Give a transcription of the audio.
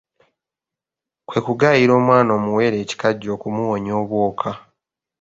Kwe kugaayira omwana omuwere ekikajjo okumuwonya obwoka.